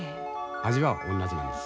味はおんなじなんです。